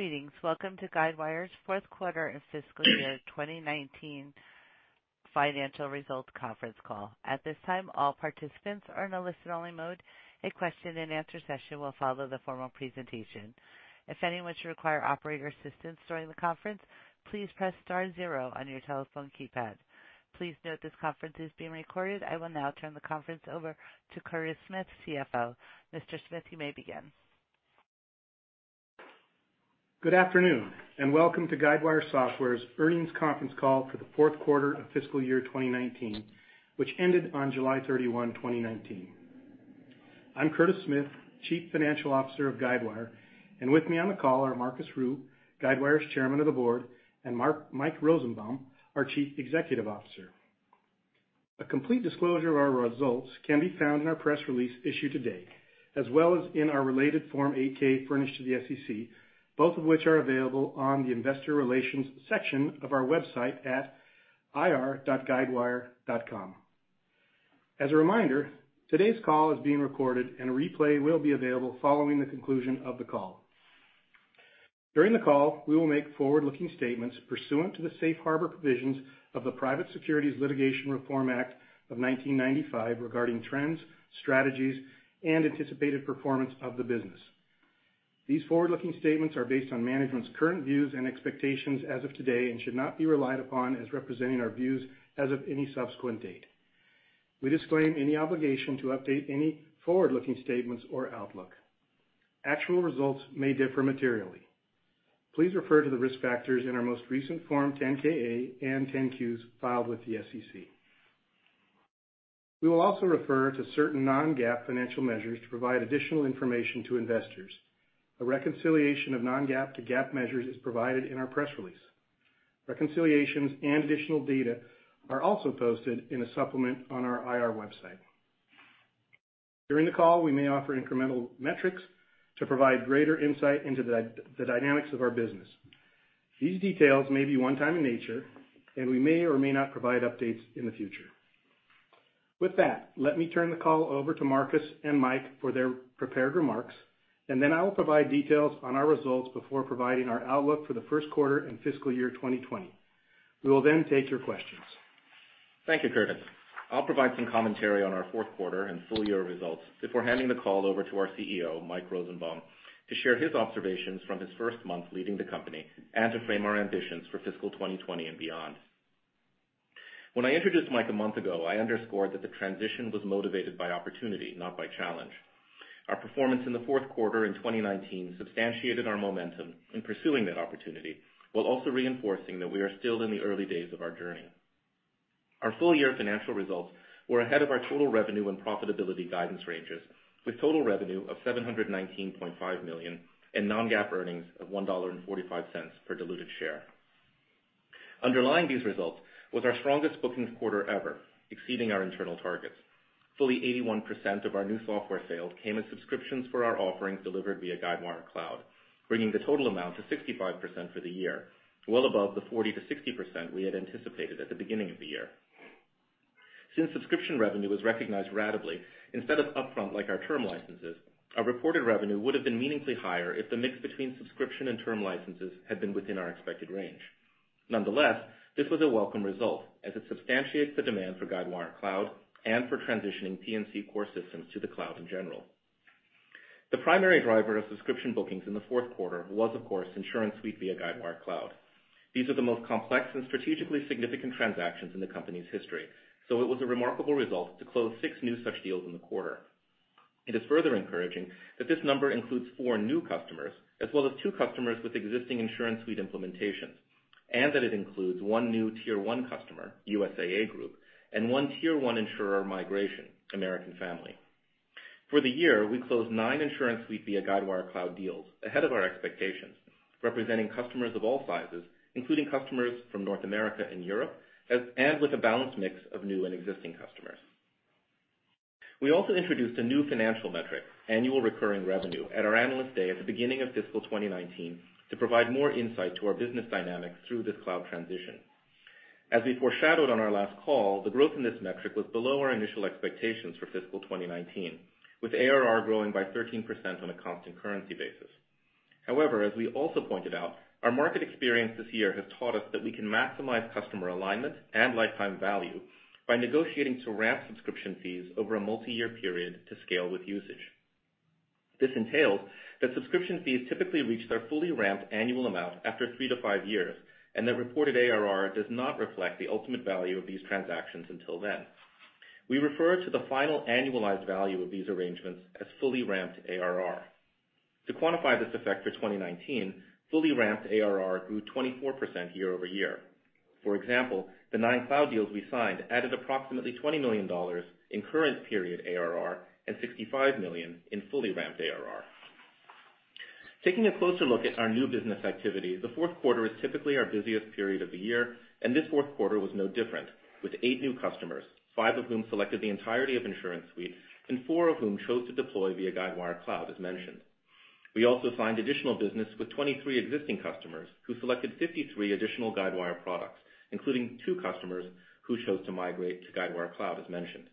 Greetings. Welcome to Guidewire's fourth quarter and fiscal year 2019 financial results conference call. At this time, all participants are in a listen-only mode. A question and answer session will follow the formal presentation. If anyone should require operator assistance during the conference, please press star zero on your telephone keypad. Please note this conference is being recorded. I will now turn the conference over to Curtis Smith, CFO. Mr. Smith, you may begin. Good afternoon, and welcome to Guidewire Software's earnings conference call for the fourth quarter of fiscal year 2019, which ended on July 31, 2019. I'm Curtis Smith, Chief Financial Officer of Guidewire, and with me on the call are Marcus Ryu, Guidewire's Chairman of the Board, and Mike Rosenbaum, our Chief Executive Officer. A complete disclosure of our results can be found in our press release issued today, as well as in our related Form 8-K furnished to the SEC, both of which are available on the investor relations section of our website at ir.guidewire.com. As a reminder, today's call is being recorded and a replay will be available following the conclusion of the call. During the call, we will make forward-looking statements pursuant to the safe harbor provisions of the Private Securities Litigation Reform Act of 1995 regarding trends, strategies, and anticipated performance of the business. These forward-looking statements are based on management's current views and expectations as of today and should not be relied upon as representing our views as of any subsequent date. We disclaim any obligation to update any forward-looking statements or outlook. Actual results may differ materially. Please refer to the risk factors in our most recent Form 10-K/A and 10-Qs filed with the SEC. We will also refer to certain non-GAAP financial measures to provide additional information to investors. A reconciliation of non-GAAP to GAAP measures is provided in our press release. Reconciliations and additional data are also posted in a supplement on our IR website. During the call, we may offer incremental metrics to provide greater insight into the dynamics of our business. These details may be one-time in nature, and we may or may not provide updates in the future. With that, let me turn the call over to Marcus and Mike for their prepared remarks, and then I will provide details on our results before providing our outlook for the first quarter and fiscal year 2020. We will then take your questions. Thank you, Curtis. I'll provide some commentary on our fourth quarter and full-year results before handing the call over to our CEO, Mike Rosenbaum, to share his observations from his first month leading the company and to frame our ambitions for fiscal 2020 and beyond. When I introduced Mike a month ago, I underscored that the transition was motivated by opportunity, not by challenge. Our performance in the fourth quarter in 2019 substantiated our momentum in pursuing that opportunity while also reinforcing that we are still in the early days of our journey. Our full-year financial results were ahead of our total revenue and profitability guidance ranges, with total revenue of $719.5 million and non-GAAP earnings of $1.45 per diluted share. Underlying these results was our strongest bookings quarter ever, exceeding our internal targets. Fully 81% of our new software sales came as subscriptions for our offerings delivered via Guidewire Cloud, bringing the total amount to 65% for the year, well above the 40%-60% we had anticipated at the beginning of the year. Since subscription revenue is recognized ratably instead of upfront like our term licenses, our reported revenue would have been meaningfully higher if the mix between subscription and term licenses had been within our expected range. Nonetheless, this was a welcome result as it substantiates the demand for Guidewire Cloud and for transitioning P&C core systems to the cloud in general. The primary driver of subscription bookings in the fourth quarter was, of course, InsuranceSuite via Guidewire Cloud. These are the most complex and strategically significant transactions in the company's history, so it was a remarkable result to close six new such deals in the quarter. It is further encouraging that this number includes four new customers as well as two customers with existing InsuranceSuite implementations, and that it includes one new tier 1 customer, USAA Group, and one tier 1 insurer migration, American Family. For the year, we closed 9 InsuranceSuite via Guidewire Cloud deals ahead of our expectations, representing customers of all sizes, including customers from North America and Europe, and with a balanced mix of new and existing customers. We also introduced a new financial metric, annual recurring revenue, at our Analyst Day at the beginning of fiscal 2019 to provide more insight to our business dynamics through this cloud transition. As we foreshadowed on our last call, the growth in this metric was below our initial expectations for fiscal 2019, with ARR growing by 13% on a constant currency basis. However, as we also pointed out, our market experience this year has taught us that we can maximize customer alignment and lifetime value by negotiating to ramp subscription fees over a multi-year period to scale with usage. This entails that subscription fees typically reach their fully ramped annual amount after 3-5 years, and that reported ARR does not reflect the ultimate value of these transactions until then. We refer to the final annualized value of these arrangements as fully ramped ARR. To quantify this effect for 2019, fully ramped ARR grew 24% year-over-year. For example, the nine cloud deals we signed added approximately $20 million in current period ARR and $65 million in fully ramped ARR. Taking a closer look at our new business activity, the fourth quarter is typically our busiest period of the year, and this fourth quarter was no different, with eight new customers, five of whom selected the entirety of InsuranceSuite and four of whom chose to deploy via Guidewire Cloud, as mentioned. We also signed additional business with 23 existing customers who selected 53 additional Guidewire products, including two customers who chose to migrate to Guidewire Cloud, as mentioned.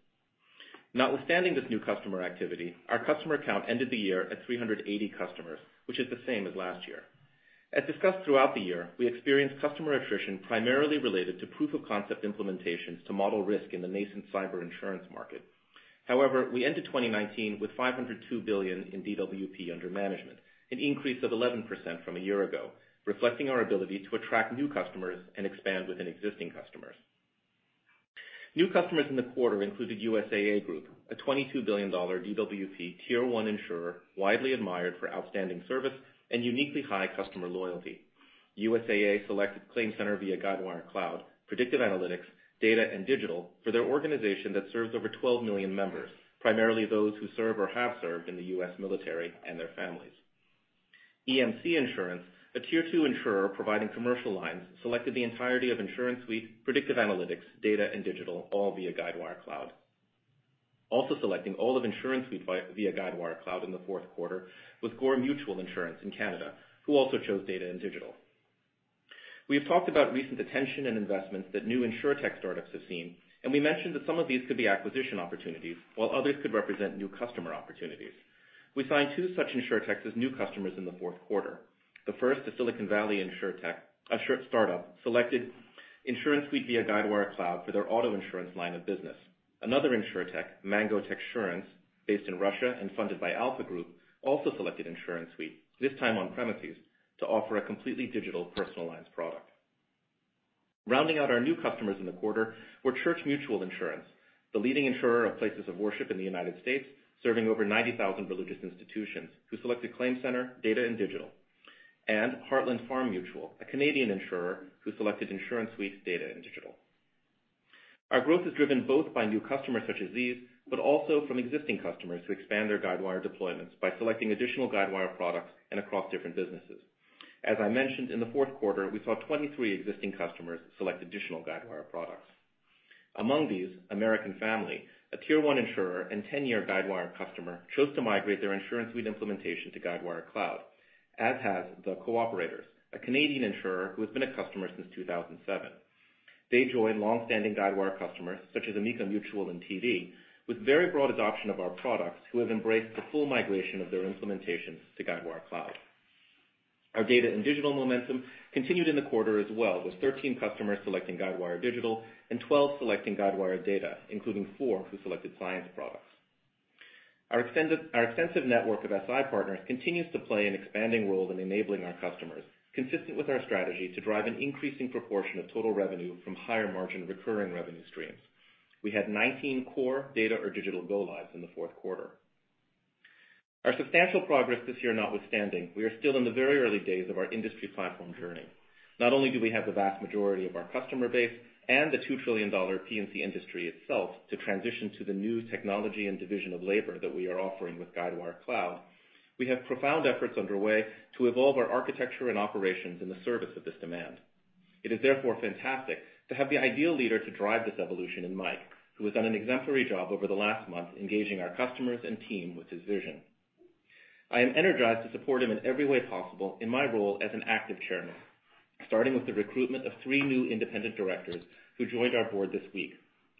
Notwithstanding this new customer activity, our customer count ended the year at 380 customers, which is the same as last year. As discussed throughout the year, we experienced customer attrition primarily related to proof of concept implementations to model risk in the nascent cyber insurance market. However, we ended 2019 with $502 billion in DWP under management, an increase of 11% from a year ago, reflecting our ability to attract new customers and expand within existing customers. New customers in the quarter included USAA Group, a $22 billion DWP Tier 1 insurer, widely admired for outstanding service and uniquely high customer loyalty. USAA selected ClaimCenter via Guidewire Cloud, Predictive Analytics, Data and Digital for their organization that serves over 12 million members, primarily those who serve or have served in the U.S. military and their families. EMC Insurance, a Tier 2 insurer providing commercial lines, selected the entirety of InsuranceSuite, Predictive Analytics, Data and Digital, all via Guidewire Cloud. Also selecting all of InsuranceSuite via Guidewire Cloud in the fourth quarter was Gore Mutual Insurance in Canada, who also chose Data and Digital. We have talked about recent attention and investments that new insurtech startups have seen, and we mentioned that some of these could be acquisition opportunities while others could represent new customer opportunities. We signed two such insurtechs as new customers in the fourth quarter. The first, a Silicon Valley insurtech, a startup, selected InsuranceSuite via Guidewire Cloud for their auto insurance line of business. Another insurtech, Mango Insurance, based in Russia and funded by Alfa Group, also selected InsuranceSuite, this time on premises, to offer a completely digital personalized product. Rounding out our new customers in the quarter were Church Mutual Insurance, the leading insurer of places of worship in the U.S., serving over 90,000 religious institutions, who selected ClaimCenter, Data and Digital. Heartland Farm Mutual, a Canadian insurer who selected InsuranceSuite's Data and Digital. Our growth is driven both by new customers such as these, but also from existing customers who expand their Guidewire deployments by selecting additional Guidewire products and across different businesses. As I mentioned, in the fourth quarter, we saw 23 existing customers select additional Guidewire products. Among these, American Family, a Tier 1 insurer and 10-year Guidewire customer, chose to migrate their InsuranceSuite implementation to Guidewire Cloud, as has The Co-operators, a Canadian insurer who has been a customer since 2007. They join longstanding Guidewire customers such as Amica Mutual and TV with very broad adoption of our products who have embraced the full migration of their implementations to Guidewire Cloud. Our data and digital momentum continued in the quarter as well, with 13 customers selecting Guidewire Digital and 12 selecting Guidewire Data, including four who selected Cyence products. Our extensive network of SI partners continues to play an expanding role in enabling our customers, consistent with our strategy to drive an increasing proportion of total revenue from higher-margin recurring revenue streams. We had 19 core data or digital go lives in the fourth quarter. Our substantial progress this year notwithstanding, we are still in the very early days of our industry platform journey. Not only do we have the vast majority of our customer base and the $2 trillion P&C industry itself to transition to the new technology and division of labor that we are offering with Guidewire Cloud, we have profound efforts underway to evolve our architecture and operations in the service of this demand. It is therefore fantastic to have the ideal leader to drive this evolution in Mike, who has done an exemplary job over the last month engaging our customers and team with his vision. I am energized to support him in every way possible in my role as an active chairman, starting with the recruitment of three new independent directors who joined our board this week.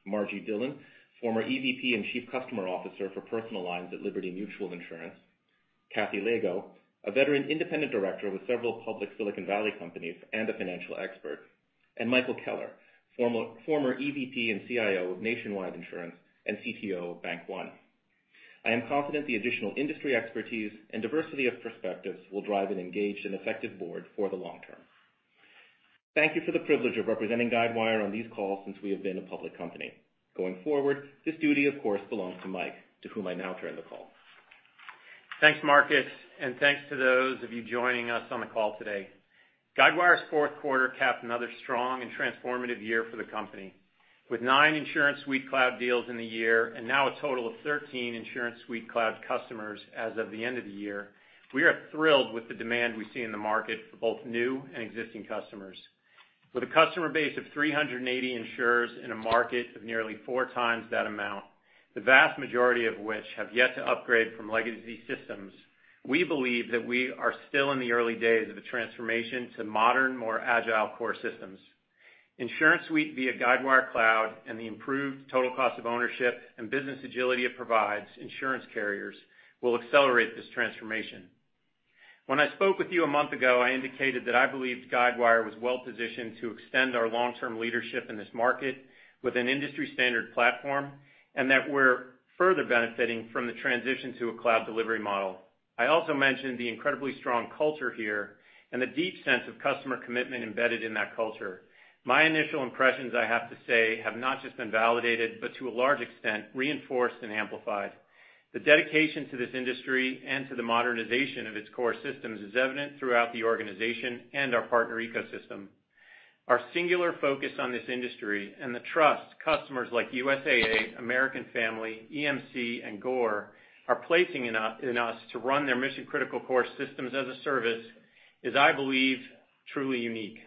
Margaret Dillon, former EVP and Chief Customer Officer for personal lines at Liberty Mutual Insurance. Catherine Lego, a veteran independent director with several public Silicon Valley companies and a financial expert. Michael Keller, former EVP and CIO of Nationwide Insurance and CTO of Bank One. I am confident the additional industry expertise and diversity of perspectives will drive an engaged and effective board for the long term. Thank you for the privilege of representing Guidewire on these calls since we have been a public company. Going forward, this duty, of course, belongs to Mike, to whom I now turn the call. Thanks, Marcus, and thanks to those of you joining us on the call today. Guidewire's fourth quarter capped another strong and transformative year for the company. With nine InsuranceSuite Cloud deals in the year and now a total of 13 InsuranceSuite Cloud customers as of the end of the year, we are thrilled with the demand we see in the market for both new and existing customers. With a customer base of 380 insurers in a market of nearly four times that amount, the vast majority of which have yet to upgrade from legacy systems, we believe that we are still in the early days of a transformation to modern, more agile core systems. InsuranceSuite via Guidewire Cloud and the improved total cost of ownership and business agility it provides insurance carriers will accelerate this transformation. When I spoke with you a month ago, I indicated that I believed Guidewire was well-positioned to extend our long-term leadership in this market with an industry-standard platform, and that we're further benefiting from the transition to a cloud delivery model. I also mentioned the incredibly strong culture here and the deep sense of customer commitment embedded in that culture. My initial impressions, I have to say, have not just been validated, but to a large extent, reinforced and amplified. The dedication to this industry and to the modernization of its core systems is evident throughout the organization and our partner ecosystem. Our singular focus on this industry and the trust customers like USAA, American Family, EMC, and Gore are placing in us to run their mission-critical core systems as a service is, I believe, truly unique.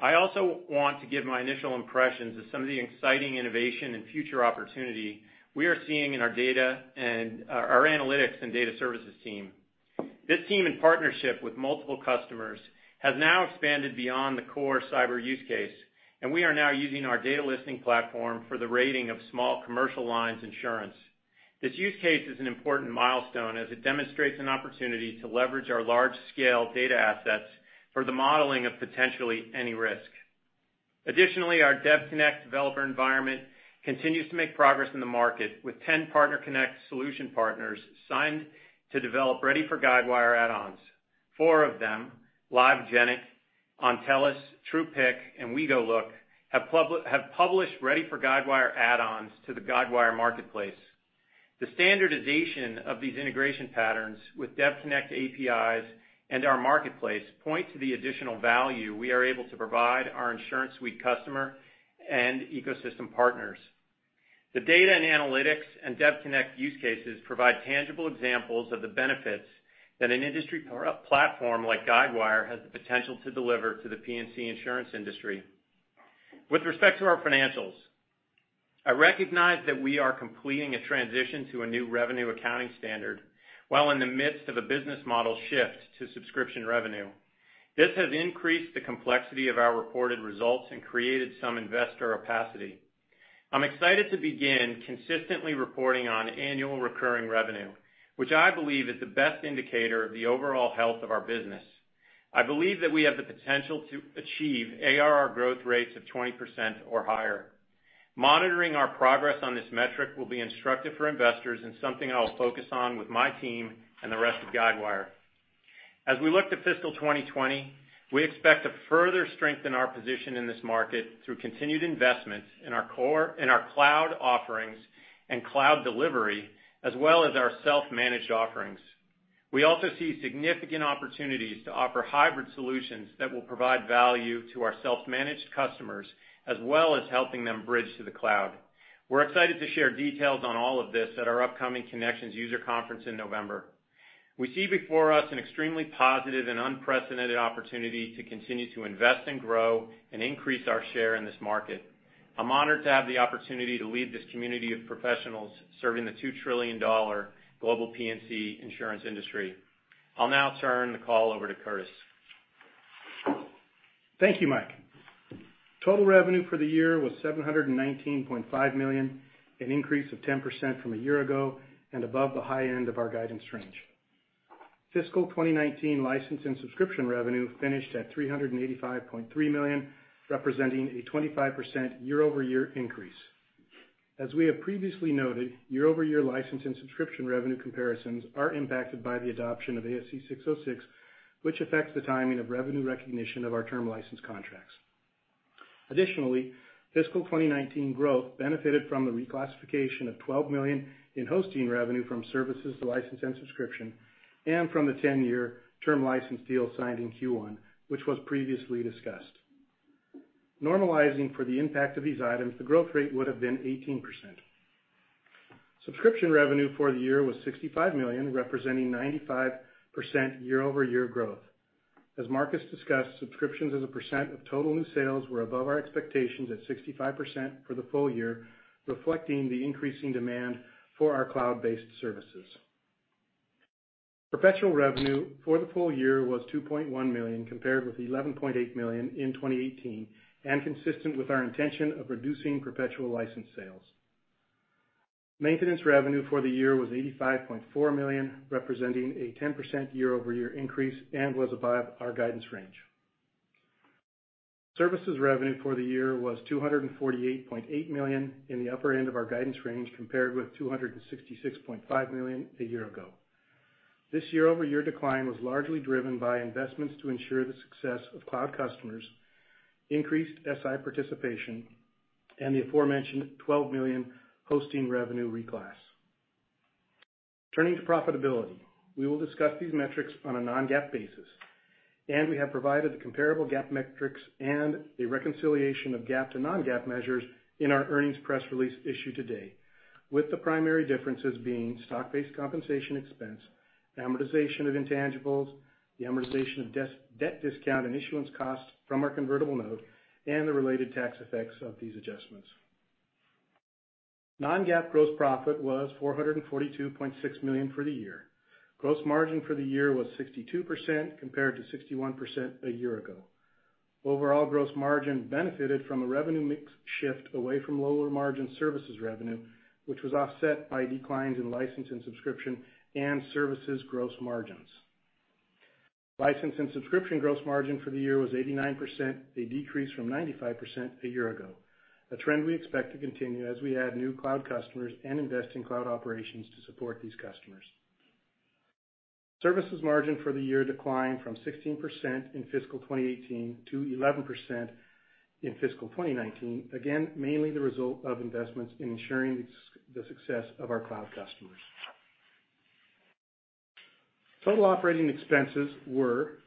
I also want to give my initial impressions of some of the exciting innovation and future opportunity we are seeing in our analytics and data services team. This team, in partnership with multiple customers, has now expanded beyond the core cyber use case, and we are now using our data listening platform for the rating of small commercial lines insurance. This use case is an important milestone, as it demonstrates an opportunity to leverage our large-scale data assets for the modeling of potentially any risk. Additionally, our DevConnect developer environment continues to make progress in the market, with 10 PartnerConnect solution partners signed to develop ready-for-Guidewire add-ons. Four of them, Livegenic, Ontellus, Truepic, and WeGoLook, have published ready-for-Guidewire add-ons to the Guidewire Marketplace. The standardization of these integration patterns with DevConnect APIs and our Marketplace point to the additional value we are able to provide our InsuranceSuite customer and ecosystem partners. The data and analytics and DevConnect use cases provide tangible examples of the benefits that an industry platform like Guidewire has the potential to deliver to the P&C insurance industry. With respect to our financials, I recognize that we are completing a transition to a new revenue accounting standard while in the midst of a business model shift to subscription revenue. This has increased the complexity of our reported results and created some investor opacity. I'm excited to begin consistently reporting on annual recurring revenue, which I believe is the best indicator of the overall health of our business. I believe that we have the potential to achieve ARR growth rates of 20% or higher. Monitoring our progress on this metric will be instructive for investors and something I will focus on with my team and the rest of Guidewire. As we look to fiscal 2020, we expect to further strengthen our position in this market through continued investments in our cloud offerings and cloud delivery, as well as our self-managed offerings. We also see significant opportunities to offer hybrid solutions that will provide value to our self-managed customers, as well as helping them bridge to the cloud. We're excited to share details on all of this at our upcoming Connections user conference in November. We see before us an extremely positive and unprecedented opportunity to continue to invest and grow and increase our share in this market. I'm honored to have the opportunity to lead this community of professionals serving the $2 trillion global P&C insurance industry. I'll now turn the call over to Curtis. Thank you, Mike. Total revenue for the year was $719.5 million, an increase of 10% from a year-over-year ago and above the high end of our guidance range. Fiscal 2019 license and subscription revenue finished at $385.3 million, representing a 25% year-over-year increase. As we have previously noted, year-over-year license and subscription revenue comparisons are impacted by the adoption of ASC 606, which affects the timing of revenue recognition of our term license contracts. Fiscal 2019 growth benefited from the reclassification of $12 million in hosting revenue from services to license and subscription and from the 10-year term license deal signed in Q1, which was previously discussed. Normalizing for the impact of these items, the growth rate would have been 18%. Subscription revenue for the year was $65 million, representing 95% year-over-year growth. As Marcus discussed, subscriptions as a percent of total new sales were above our expectations at 65% for the full year, reflecting the increasing demand for our cloud-based services. Perpetual revenue for the full year was $2.1 million, compared with $11.8 million in 2018 and consistent with our intention of reducing perpetual license sales. Maintenance revenue for the year was $85.4 million, representing a 10% year-over-year increase and was above our guidance range. Services revenue for the year was $248.8 million in the upper end of our guidance range, compared with $266.5 million a year ago. This year-over-year decline was largely driven by investments to ensure the success of cloud customers, increased SI participation, and the aforementioned $12 million hosting revenue reclass. Turning to profitability, we will discuss these metrics on a non-GAAP basis, and we have provided the comparable GAAP metrics and a reconciliation of GAAP to non-GAAP measures in our earnings press release issued today. With the primary differences being stock-based compensation expense, amortization of intangibles, the amortization of debt discount and issuance costs from our convertible note, and the related tax effects of these adjustments. Non-GAAP gross profit was $442.6 million for the year. Gross margin for the year was 62% compared to 61% a year ago. Overall gross margin benefited from a revenue mix shift away from lower margin services revenue, which was offset by declines in license and subscription and services gross margins. License and subscription gross margin for the year was 89%, a decrease from 95% a year ago, a trend we expect to continue as we add new Guidewire Cloud customers and invest in cloud operations to support these customers. Services margin for the year declined from 16% in fiscal 2018 to 11% in fiscal 2019, again, mainly the result of investments in ensuring the success of our Guidewire Cloud customers. Total operating expenses were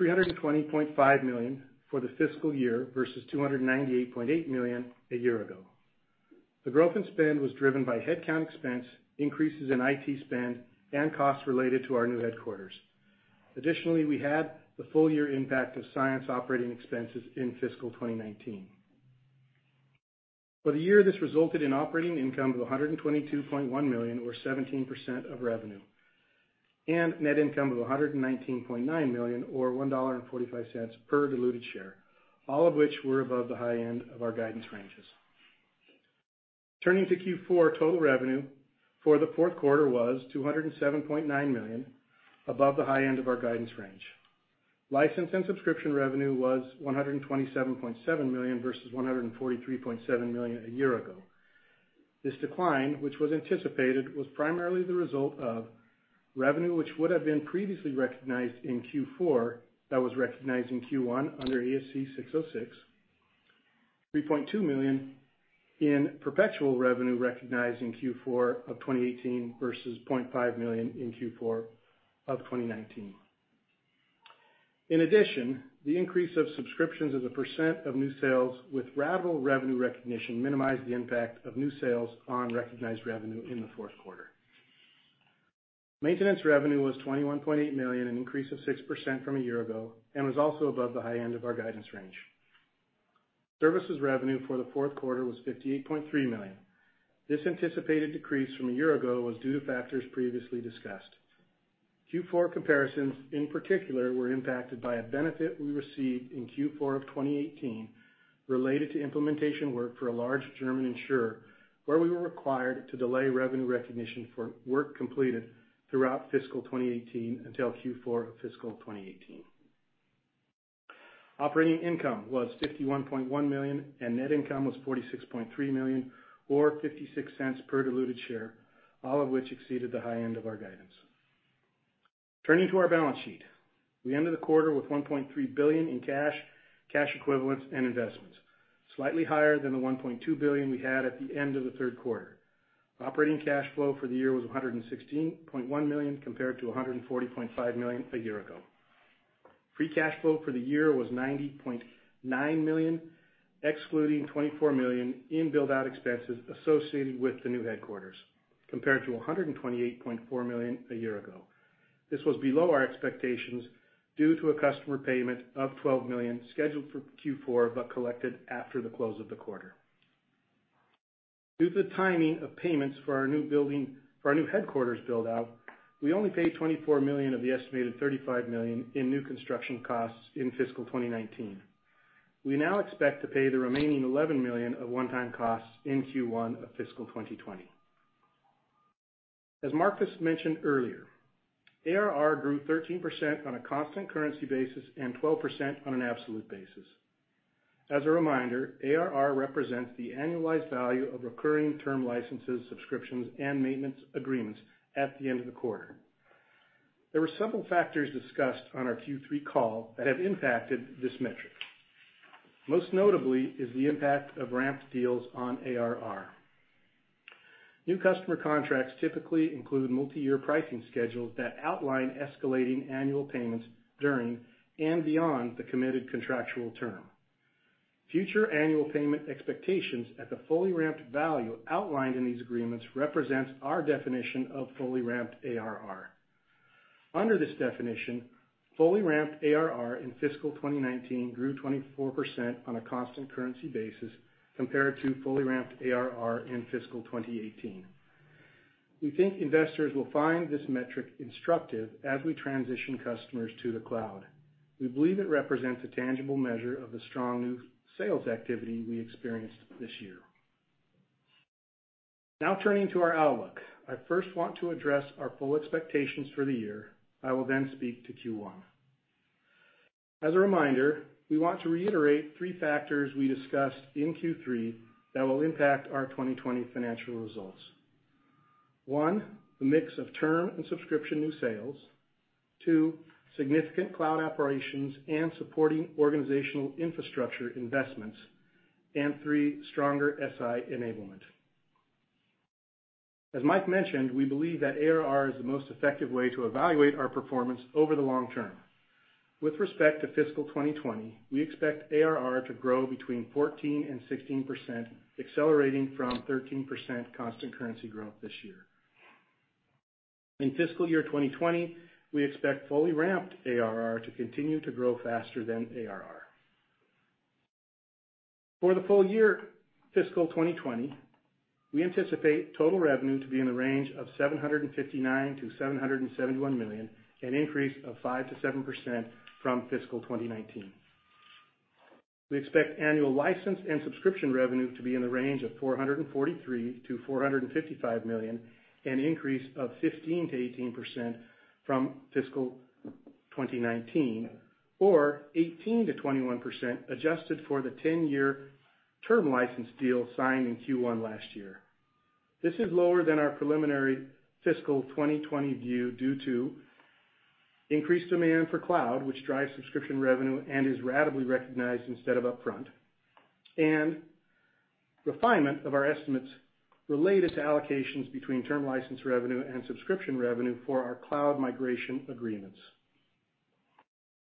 $320.5 million for the fiscal year versus $298.8 million a year ago. The growth in spend was driven by headcount expense, increases in IT spend, and costs related to our new headquarters. Additionally, we had the full year impact of Cyence operating expenses in fiscal 2019. For the year, this resulted in operating income of $122.1 million, or 17% of revenue, and net income of $119.9 million, or $1.45 per diluted share, all of which were above the high end of our guidance ranges. Turning to Q4. Total revenue for the fourth quarter was $207.9 million, above the high end of our guidance range. License and subscription revenue was $127.7 million versus $143.7 million a year ago. This decline, which was anticipated, was primarily the result of revenue which would have been previously recognized in Q4 that was recognized in Q1 under ASC 606, $3.2 million in perpetual revenue recognized in Q4 of 2018 versus $0.5 million in Q4 of 2019. In addition, the increase of subscriptions as a percent of new sales with ratable revenue recognition minimized the impact of new sales on recognized revenue in the fourth quarter. Maintenance revenue was $21.8 million, an increase of 6% from a year ago, and was also above the high end of our guidance range. Services revenue for the fourth quarter was $58.3 million. This anticipated decrease from a year ago was due to factors previously discussed. Q4 comparisons, in particular, were impacted by a benefit we received in Q4 of 2018 related to implementation work for a large German insurer, where we were required to delay revenue recognition for work completed throughout fiscal 2018 until Q4 of fiscal 2018. Operating income was $51.1 million, and net income was $46.3 million, or $0.56 per diluted share, all of which exceeded the high end of our guidance. Turning to our balance sheet. We ended the quarter with $1.3 billion in cash equivalents, and investments, slightly higher than the $1.2 billion we had at the end of the third quarter. Operating cash flow for the year was $116.1 million, compared to $140.5 million a year ago. Free cash flow for the year was $90.9 million, excluding $24 million in build-out expenses associated with the new headquarters, compared to $128.4 million a year ago. This was below our expectations due to a customer payment of $12 million scheduled for Q4, but collected after the close of the quarter. Due to the timing of payments for our new headquarters build-out, we only paid $24 million of the estimated $35 million in new construction costs in fiscal 2019. We now expect to pay the remaining $11 million of one-time costs in Q1 of fiscal 2020. As Marcus Ryu mentioned earlier, ARR grew 13% on a constant currency basis and 12% on an absolute basis. As a reminder, ARR represents the annualized value of recurring term licenses, subscriptions, and maintenance agreements at the end of the quarter. There were several factors discussed on our Q3 call that have impacted this metric. Most notably is the impact of ramped deals on ARR. New customer contracts typically include multi-year pricing schedules that outline escalating annual payments during and beyond the committed contractual term. Future annual payment expectations at the fully ramped value outlined in these agreements represents our definition of fully ramped ARR. Under this definition, fully ramped ARR in fiscal 2019 grew 24% on a constant currency basis compared to fully ramped ARR in fiscal 2018. We think investors will find this metric instructive as we transition customers to the cloud. We believe it represents a tangible measure of the strong new sales activity we experienced this year. Turning to our outlook. I first want to address our full expectations for the year. I will then speak to Q1. As a reminder, we want to reiterate three factors we discussed in Q3 that will impact our 2020 financial results. One, the mix of term and subscription new sales. Two, significant cloud operations and supporting organizational infrastructure investments. Three, stronger SI enablement. As Mike mentioned, we believe that ARR is the most effective way to evaluate our performance over the long term. With respect to fiscal 2020, we expect ARR to grow between 14% and 16%, accelerating from 13% constant currency growth this year. In fiscal year 2020, we expect fully ramped ARR to continue to grow faster than ARR. For the full year fiscal 2020, we anticipate total revenue to be in the range of $759 million-$771 million, an increase of 5%-7% from fiscal 2019. We expect annual license and subscription revenue to be in the range of $443 million-$455 million, an increase of 15%-18% from fiscal 2019, or 18%-21% adjusted for the 10-year term license deal signed in Q1 last year. This is lower than our preliminary fiscal 2020 view due to increased demand for Cloud, which drives subscription revenue and is ratably recognized instead of upfront, and refinement of our estimates related to allocations between term license revenue and subscription revenue for our Cloud migration agreements.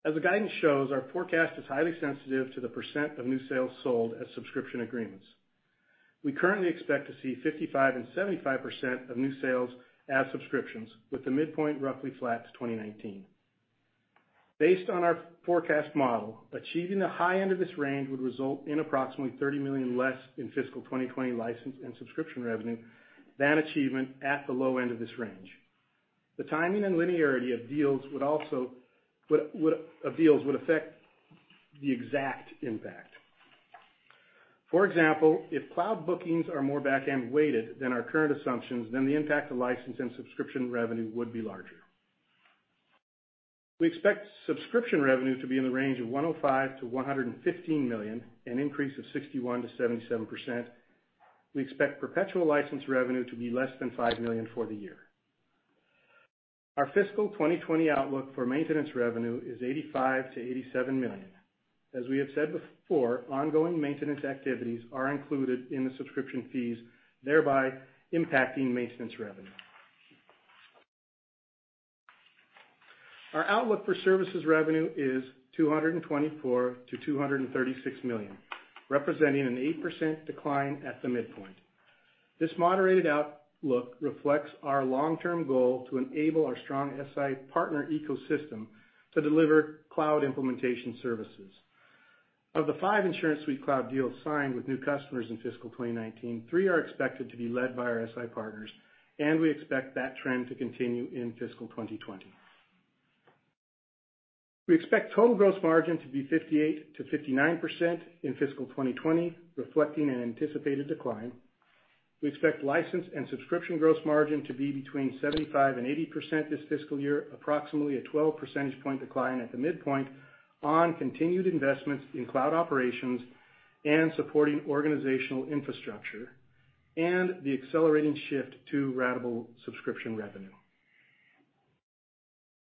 As the guidance shows, our forecast is highly sensitive to the % of new sales sold as subscription agreements. We currently expect to see 55% and 75% of new sales as subscriptions, with the midpoint roughly flat to 2019. Based on our forecast model, achieving the high end of this range would result in approximately $30 million less in fiscal 2020 license and subscription revenue than achievement at the low end of this range. The timing and linearity of deals would affect the exact impact. For example, if cloud bookings are more back-end loaded than our current assumptions, then the impact to license and subscription revenue would be larger. We expect subscription revenue to be in the range of $105 million-$115 million, an increase of 61%-77%. We expect perpetual license revenue to be less than $5 million for the year. Our fiscal 2020 outlook for maintenance revenue is $85 million-$87 million. As we have said before, ongoing maintenance activities are included in the subscription fees, thereby impacting maintenance revenue. Our outlook for services revenue is $224 million-$236 million, representing an 8% decline at the midpoint. This moderated outlook reflects our long-term goal to enable our strong SI partner ecosystem to deliver cloud implementation services. Of the five InsuranceSuite Cloud deals signed with new customers in fiscal 2019, three are expected to be led by our SI partners, and we expect that trend to continue in fiscal 2020. We expect total gross margin to be 58%-59% in fiscal 2020, reflecting an anticipated decline. We expect license and subscription gross margin to be between 75% and 80% this fiscal year, approximately a 12 percentage point decline at the midpoint on continued investments in cloud operations and supporting organizational infrastructure, and the accelerating shift to ratable subscription revenue.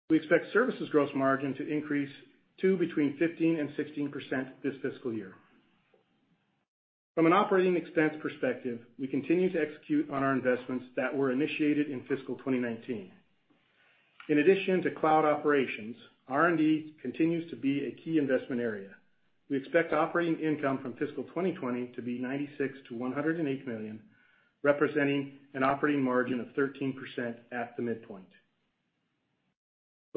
We expect services gross margin to increase to between 15% and 16% this fiscal year. From an operating expense perspective, we continue to execute on our investments that were initiated in fiscal 2019. In addition to cloud operations, R&D continues to be a key investment area. We expect operating income from fiscal 2020 to be $96 million to $108 million, representing an operating margin of 13% at the midpoint.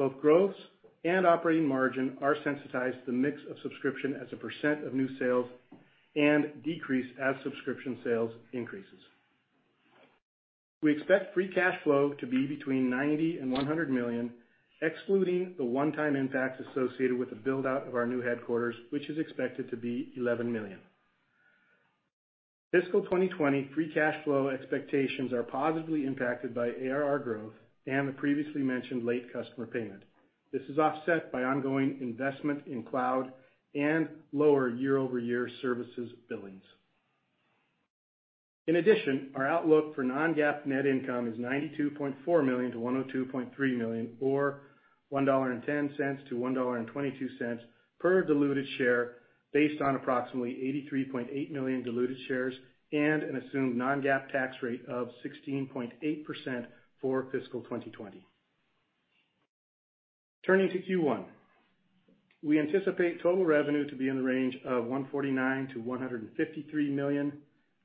Both gross and operating margin are sensitized to the mix of subscription as a percent of new sales and decrease as subscription sales increases. We expect free cash flow to be between $90 million and $100 million, excluding the one-time impacts associated with the build-out of our new headquarters, which is expected to be $11 million. Fiscal 2020 free cash flow expectations are positively impacted by ARR growth and the previously mentioned late customer payment. This is offset by ongoing investment in cloud and lower year-over-year services billings. In addition, our outlook for non-GAAP net income is $92.4 million-$102.3 million, or $1.10-$1.22 per diluted share based on approximately 83.8 million diluted shares and an assumed non-GAAP tax rate of 16.8% for fiscal 2020. Turning to Q1. We anticipate total revenue to be in the range of $149 million-$153 million.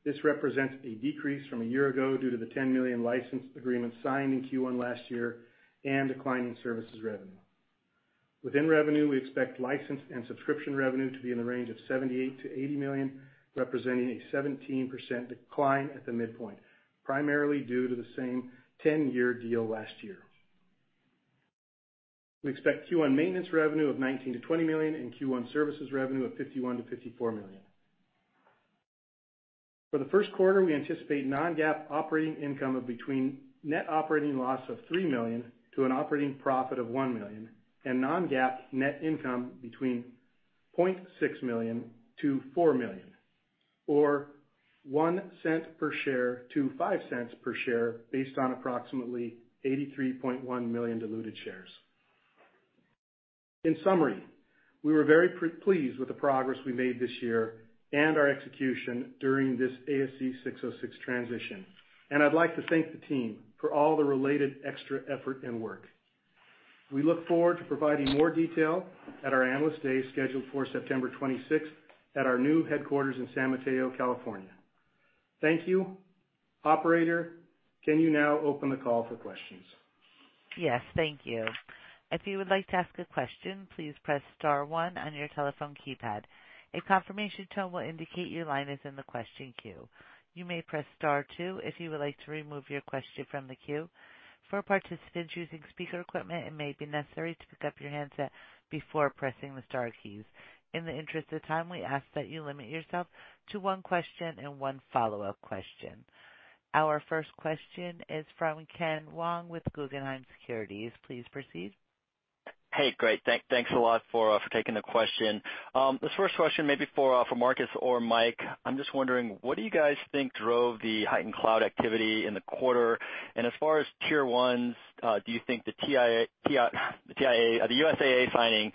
This represents a decrease from a year ago due to the $10 million license agreement signed in Q1 last year and declining services revenue. Within revenue, we expect license and subscription revenue to be in the range of $78 million-$80 million, representing a 17% decline at the midpoint, primarily due to the same 10-year deal last year. We expect Q1 maintenance revenue of $19 million-$20 million and Q1 services revenue of $51 million-$54 million. For the first quarter, we anticipate non-GAAP operating income of between net operating loss of $3 million to an operating profit of $1 million and non-GAAP net income between $0.6 million to $4 million or $0.01 per share to $0.05 per share based on approximately 83.1 million diluted shares. In summary, we were very pleased with the progress we made this year and our execution during this ASC 606 transition, and I'd like to thank the team for all the related extra effort and work. We look forward to providing more detail at our Analyst Day scheduled for September 26th at our new headquarters in San Mateo, California. Thank you. Operator, can you now open the call for questions? Yes. Thank you. If you would like to ask a question, please press *1 on your telephone keypad. A confirmation tone will indicate your line is in the question queue. You may press *2 if you would like to remove your question from the queue. For participants using speaker equipment, it may be necessary to pick up your handset before pressing the star keys. In the interest of time, we ask that you limit yourself to one question and one follow-up question. Our first question is from Ken Wong with Guggenheim Securities. Please proceed. Hey, great. Thanks a lot for taking the question. This first question may be for Marcus or Mike. I'm just wondering, what do you guys think drove the heightened Cloud activity in the quarter? As far as tier 1s, do you think the USAA signing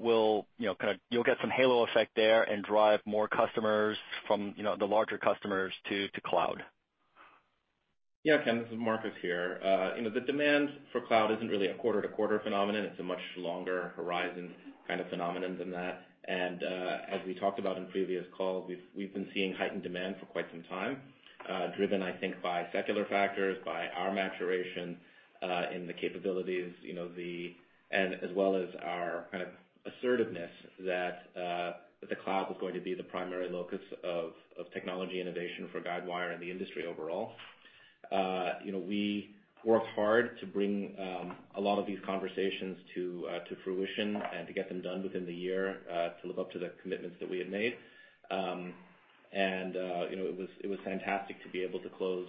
will get some halo effect there and drive more customers from the larger customers to Cloud? Yeah, Ken, this is Marcus here. The demand for cloud isn't really a quarter-to-quarter phenomenon. It's a much longer horizon kind of phenomenon than that. As we talked about in previous calls, we've been seeing heightened demand for quite some time, driven, I think, by secular factors, by our maturation in the capabilities, and as well as our kind of assertiveness that the cloud was going to be the primary locus of technology innovation for Guidewire and the industry overall. We worked hard to bring a lot of these conversations to fruition and to get them done within the year to live up to the commitments that we had made. It was fantastic to be able to close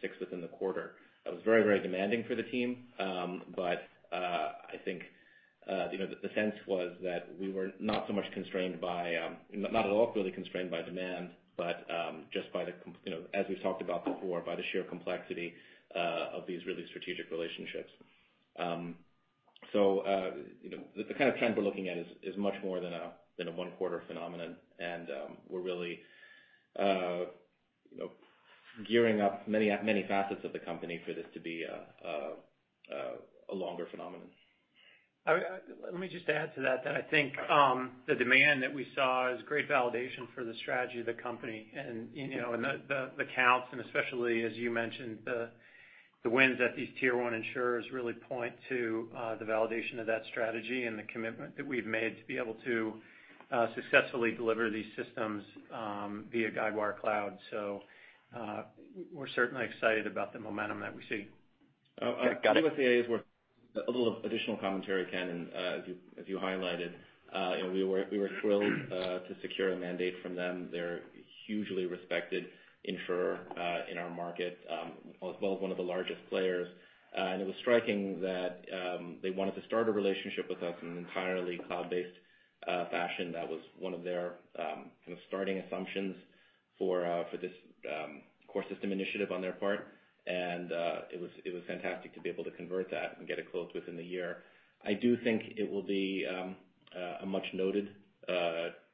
six within the quarter. It was very demanding for the team. I think, the sense was that we were not at all really constrained by demand, but just as we've talked about before, by the sheer complexity of these really strategic relationships. The kind of trend we're looking at is much more than a one-quarter phenomenon. We're really gearing up many facets of the company for this to be a longer phenomenon. Let me just add to that I think the demand that we saw is great validation for the strategy of the company and the counts, and especially as you mentioned, the wins at these tier 1 insurers really point to the validation of that strategy and the commitment that we've made to be able to successfully deliver these systems via Guidewire Cloud. We're certainly excited about the momentum that we see. USAA is worth a little additional commentary, Ken, as you highlighted. We were thrilled to secure a mandate from them. They're hugely respected insurer in our market, as well as one of the largest players. It was striking that they wanted to start a relationship with us in an entirely cloud-based fashion. That was one of their starting assumptions for this core system initiative on their part. It was fantastic to be able to convert that and get it closed within the year. I do think it will be a much-noted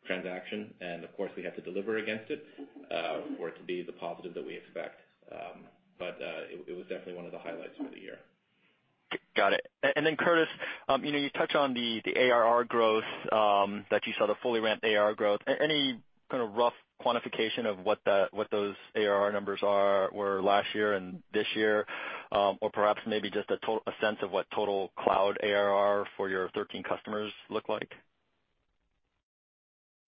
transaction, and of course, we have to deliver against it for it to be the positive that we expect. It was definitely one of the highlights for the year. Got it. Curtis, you touch on the ARR growth that you saw, the fully ramped ARR growth. Any kind of rough quantification of what those ARR numbers were last year and this year? Perhaps maybe just a sense of what total cloud ARR for your 13 customers look like?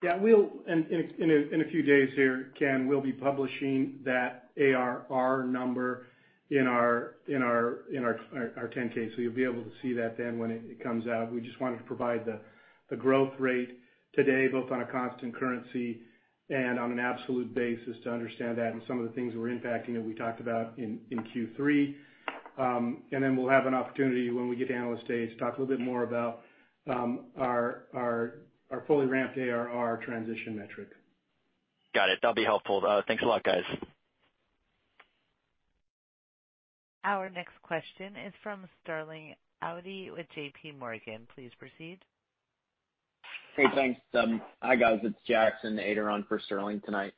Yeah. In a few days here, Ken, we'll be publishing that ARR number in our 10-K. You'll be able to see that then when it comes out. We just wanted to provide the growth rate today, both on a constant currency and on an absolute basis to understand that and some of the things we're impacting that we talked about in Q3. We'll have an opportunity when we get to Analyst Day to talk a little bit more about our fully ramped ARR transition metric. Got it. That'll be helpful. Thanks a lot, guys. Our next question is from Sterling Auty with JPMorgan. Please proceed. Hey, thanks. Hi, guys. It's Jackson Ader for Sterling tonight.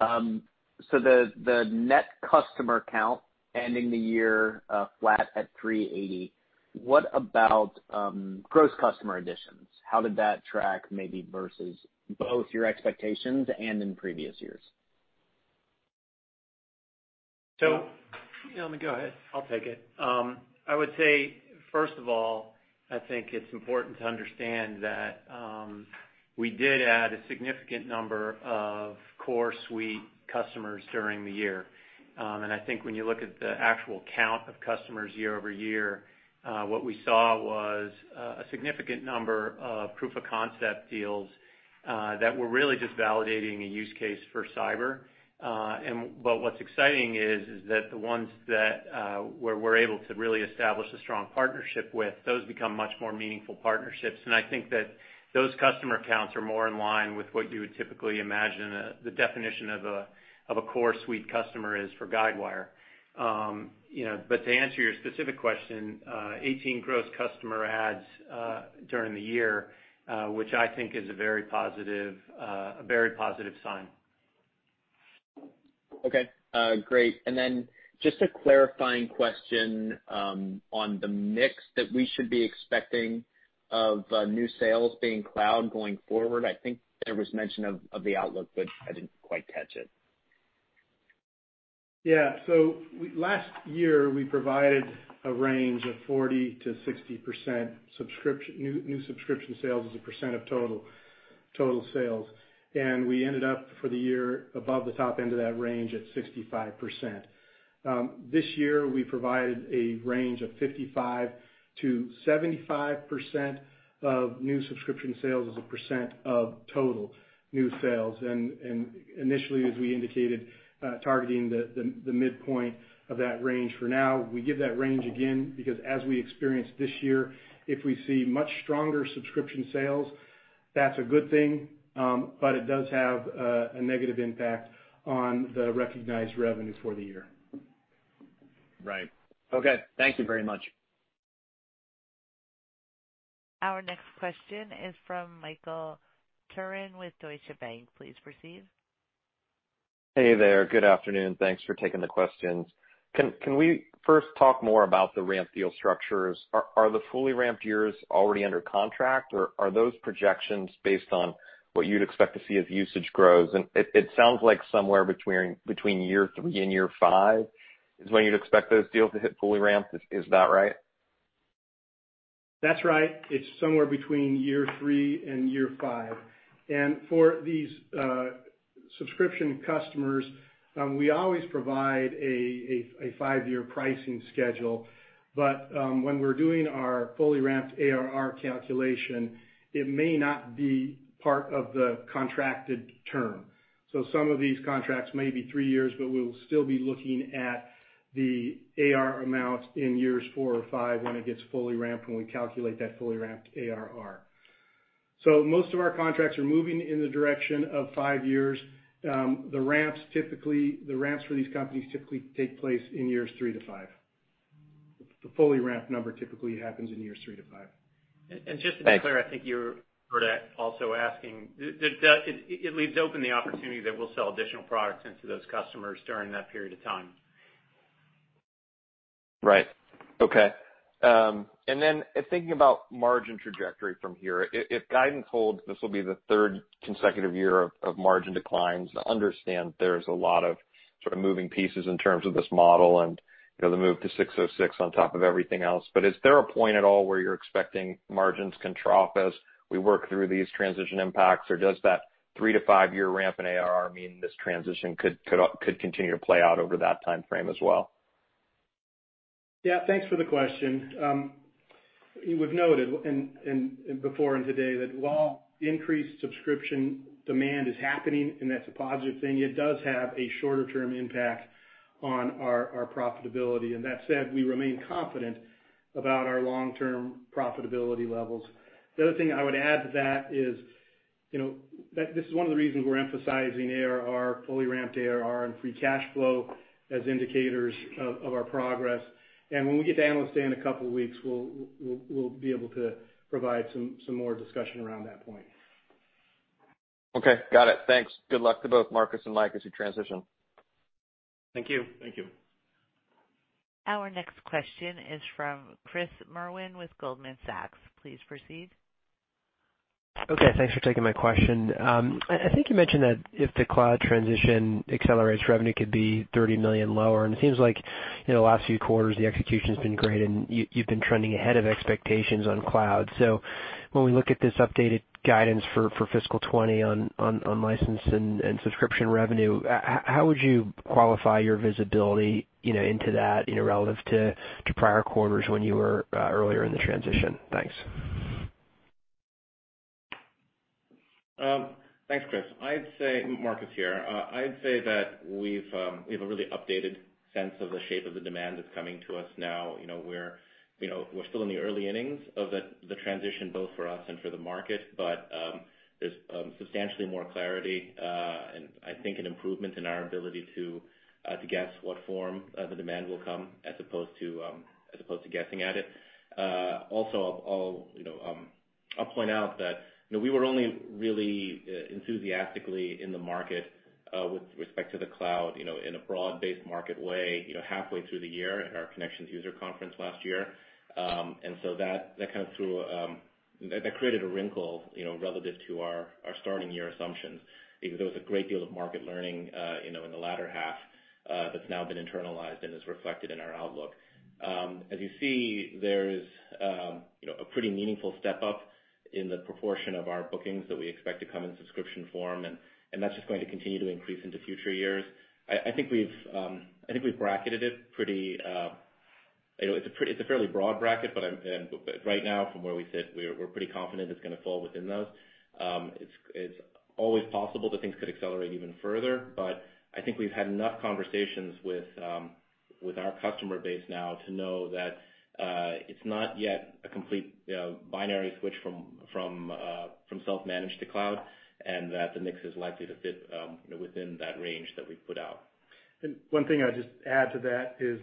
The net customer count ending the year flat at 380. What about gross customer additions? How did that track maybe versus both your expectations and in previous years? Let me go ahead. I'll take it. I would say, first of all, I think it's important to understand that we did add a significant number of core suite customers during the year. I think when you look at the actual count of customers year-over-year, what we saw was a significant number of proof of concept deals that were really just validating a use case for cyber. What's exciting is that the ones that we're able to really establish a strong partnership with, those become much more meaningful partnerships. I think that those customer counts are more in line with what you would typically imagine the definition of a core suite customer is for Guidewire. To answer your specific question, 18 gross customer adds during the year, which I think is a very positive sign. Okay, great. Just a clarifying question on the mix that we should be expecting of new sales being Cloud going forward. I think there was mention of the outlook, but I didn't quite catch it. Yeah. Last year, we provided a range of 40%-60% new subscription sales as a percent of total sales. We ended up for the year above the top end of that range at 65%. This year, we provided a range of 55%-75% of new subscription sales as a percent of total new sales. Initially, as we indicated, targeting the midpoint of that range for now. We give that range again, because as we experienced this year, if we see much stronger subscription sales, that's a good thing. It does have a negative impact on the recognized revenue for the year. Right. Okay. Thank you very much. Our next question is from Michael Turrin with Deutsche Bank. Please proceed. Hey there. Good afternoon. Thanks for taking the questions. Can we first talk more about the ramp deal structures? Are the fully ramped years already under contract, or are those projections based on what you'd expect to see as usage grows? It sounds like somewhere between year 3 and year 5 is when you'd expect those deals to hit fully ramped. Is that right? That's right. It's somewhere between year three and year five. For these subscription customers, we always provide a five-year pricing schedule. When we're doing our fully ramped ARR calculation, it may not be part of the contracted term. Some of these contracts may be three years, but we'll still be looking at the ARR amount in years four or five when it gets fully ramped, when we calculate that fully ramped ARR. Most of our contracts are moving in the direction of five years. The ramps for these companies typically take place in years three to five. The fully ramped number typically happens in years three to five. Thanks. Just to be clear, I think you were also asking, it leaves open the opportunity that we'll sell additional products into those customers during that period of time. Right. Okay. Thinking about margin trajectory from here. If guidance holds, this will be the third consecutive year of margin declines. I understand there's a lot of sort of moving pieces in terms of this model and the move to ASC 606 on top of everything else, is there a point at all where you're expecting margins can trough as we work through these transition impacts? Does that 3 to 5-year ramp in ARR mean this transition could continue to play out over that timeframe as well? Yeah. Thanks for the question. We've noted before and today that while increased subscription demand is happening, and that's a positive thing, it does have a shorter-term impact on our profitability. That said, we remain confident about our long-term profitability levels. The other thing I would add to that is, this is one of the reasons we're emphasizing ARR, fully ramped ARR, and free cash flow as indicators of our progress. When we get to Analyst Day in a couple of weeks, we'll be able to provide some more discussion around that point. Okay. Got it. Thanks. Good luck to both Marcus and Mike as you transition. Thank you. Thank you. Our next question is from Chris Merwin with Goldman Sachs. Please proceed. Okay. Thanks for taking my question. I think you mentioned that if the cloud transition accelerates, revenue could be $30 million lower. It seems like in the last few quarters, the execution's been great, and you've been trending ahead of expectations on cloud. When we look at this updated guidance for fiscal 2020 on license and subscription revenue, how would you qualify your visibility into that, relative to prior quarters when you were earlier in the transition? Thanks. Thanks, Chris. Marcus here. I'd say that we have a really updated sense of the shape of the demand that's coming to us now. We're still in the early innings of the transition, both for us and for the market. There's substantially more clarity, and I think an improvement in our ability to guess what form the demand will come as opposed to guessing at it. I'll point out that we were only really enthusiastically in the market, with respect to the cloud, in a broad-based market way, halfway through the year at our Connections user conference last year. That created a wrinkle relative to our starting year assumptions, even though it was a great deal of market learning in the latter half that's now been internalized and is reflected in our outlook. As you see, there's a pretty meaningful step up in the proportion of our bookings that we expect to come in subscription form, and that's just going to continue to increase into future years. I think we've bracketed it. It's a fairly broad bracket. Right now, from where we sit, we're pretty confident it's going to fall within those. It's always possible that things could accelerate even further. I think we've had enough conversations with our customer base now to know that it's not yet a complete binary switch from self-managed to cloud, the mix is likely to fit within that range that we've put out. One thing I'd just add to that is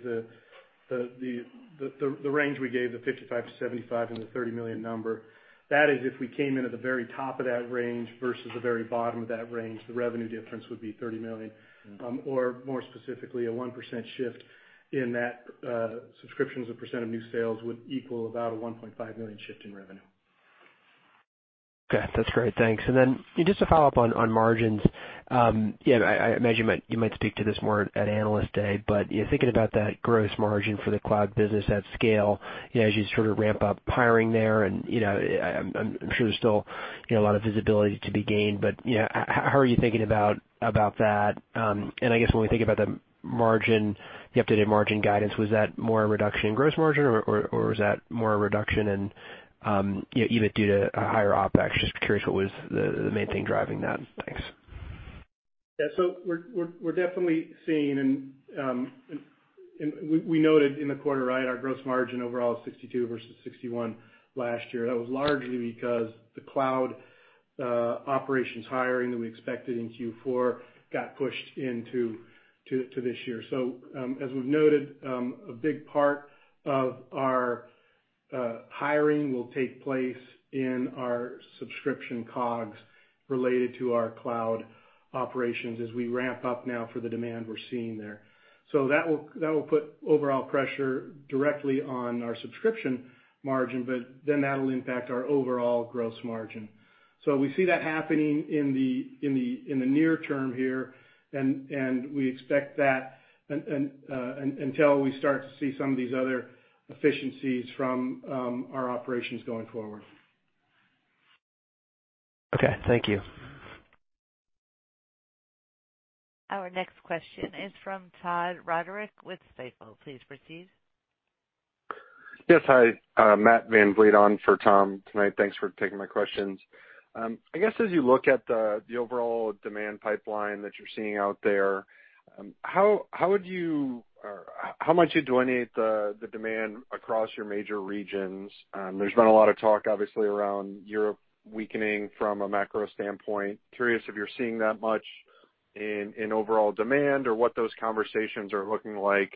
the range we gave, the $55 million-$75 million and the $30 million number. That is if we came in at the very top of that range versus the very bottom of that range, the revenue difference would be $30 million. More specifically, a 1% shift in that subscriptions as a percent of new sales would equal about a $1.5 million shift in revenue. Okay. That's great. Thanks. Then just a follow-up on margins. I imagine you might speak to this more at Analyst Day, but thinking about that gross margin for the cloud business at scale, as you sort of ramp up hiring there and I'm sure there's still a lot of visibility to be gained, but how are you thinking about that? I guess when we think about the updated margin guidance, was that more a reduction in gross margin, or was that more a reduction in EBIT due to a higher OpEx? Just curious what was the main thing driving that. Thanks. We're definitely seeing, and we noted in the quarter, our gross margin overall is 62% versus 61% last year. That was largely because the cloud operations hiring that we expected in Q4 got pushed into this year. As we've noted, a big part of our hiring will take place in our subscription COGS related to our cloud operations as we ramp up now for the demand we're seeing there. That will put overall pressure directly on our subscription margin, but then that'll impact our overall gross margin. We see that happening in the near term here, and we expect that until we start to see some of these other efficiencies from our operations going forward. Okay, thank you. Our next question is from Tom Roderick with Stifel. Please proceed. Yes. Hi. Matt VanVliet on for Tom tonight. Thanks for taking my questions. I guess as you look at the overall demand pipeline that you're seeing out there, how much do you delineate the demand across your major regions? There's been a lot of talk, obviously, around Europe weakening from a macro standpoint. Curious if you're seeing that much in overall demand or what those conversations are looking like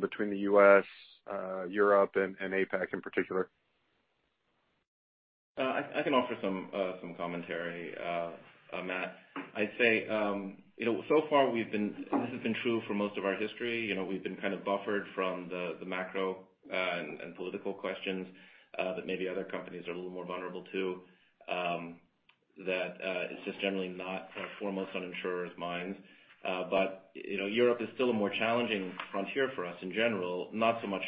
between the U.S., Europe, and APAC in particular. I can offer some commentary, Matt. I'd say, so far this has been true for most of our history. We've been kind of buffered from the macro and political questions that maybe other companies are a little more vulnerable to, that it's just generally not foremost on insurers' minds. Europe is still a more challenging frontier for us in general, not so much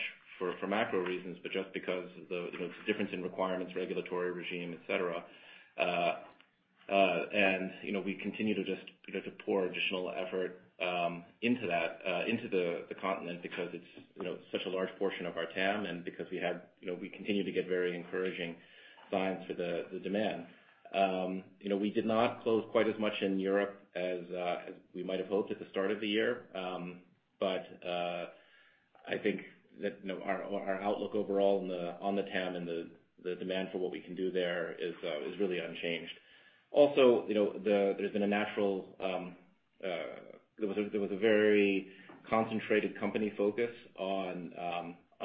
for macro reasons, but just because of the difference in requirements, regulatory regime, et cetera. We continue to just to pour additional effort into the continent because it's such a large portion of our TAM and because we continue to get very encouraging signs for the demand. We did not close quite as much in Europe as we might have hoped at the start of the year. I think that our outlook overall on the TAM and the demand for what we can do there is really unchanged. Also, there was a very concentrated company focus on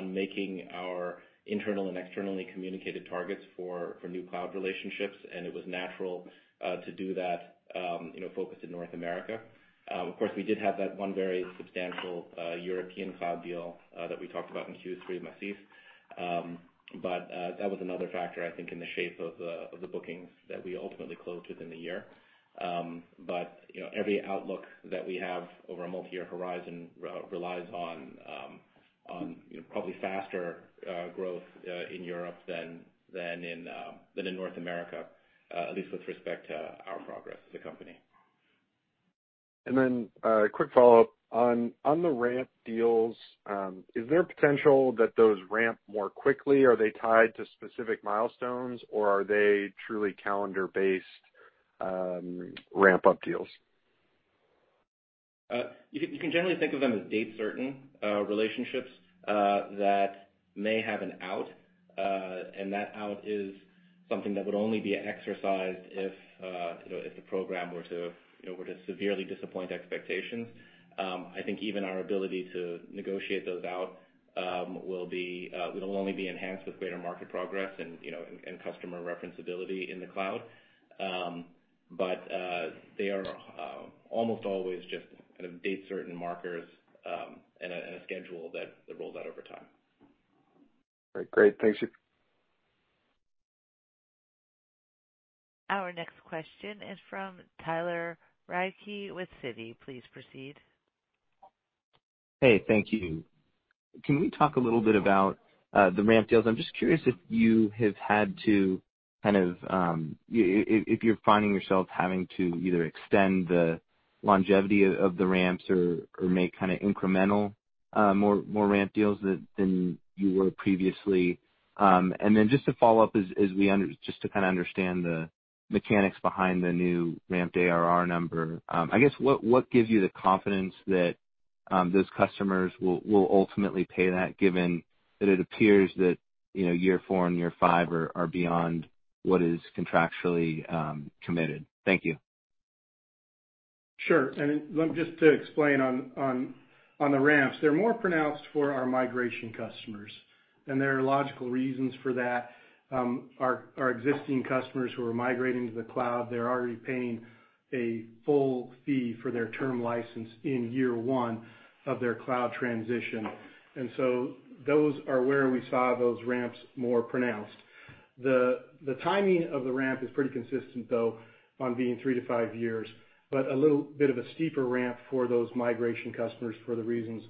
making our internal and externally communicated targets for new cloud relationships, and it was natural to do that focused in North America. Of course, we did have that one very substantial European cloud deal that we talked about in Q3, MAIF. That was another factor, I think, in the shape of the bookings that we ultimately closed within the year. Every outlook that we have over a multiyear horizon relies on probably faster growth in Europe than in North America, at least with respect to our progress as a company. Then a quick follow-up. On the ramp deals, is there a potential that those ramp more quickly? Are they tied to specific milestones, or are they truly calendar-based ramp-up deals? You can generally think of them as date-certain relationships that may have an out, that out is something that would only be exercised if the program were to severely disappoint expectations. I think even our ability to negotiate those out will only be enhanced with greater market progress and customer reference ability in the cloud. They are almost always just date-certain markers and a schedule that rolls out over time. Great. Thank you. Our next question is from Tyler Radke with Citi. Please proceed. Hey, thank you. Can we talk a little bit about the ramp deals? I'm just curious if you're finding yourself having to either extend the longevity of the ramps or make incremental more ramp deals than you were previously. Just to follow up, just to understand the mechanics behind the new ramped ARR number. I guess, what gives you the confidence that those customers will ultimately pay that, given that it appears that year four and year five are beyond what is contractually committed? Thank you. Sure. Just to explain on the ramps, they're more pronounced for our migration customers, and there are logical reasons for that. Our existing customers who are migrating to the cloud, they're already paying a full fee for their term license in year one of their cloud transition. Those are where we saw those ramps more pronounced. The timing of the ramp is pretty consistent, though, on being three to five years, but a little bit of a steeper ramp for those migration customers for the reasons